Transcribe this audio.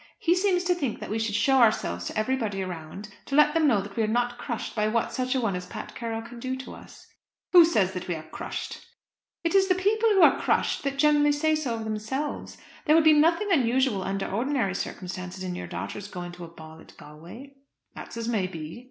He seems to think that we should show ourselves to everybody around, to let them know that we are not crushed by what such a one as Pat Carroll can do to us." "Who says that we are crushed?" "It is the people who are crushed that generally say so of themselves. There would be nothing unusual under ordinary circumstances in your daughters going to a ball at Galway." "That's as may be."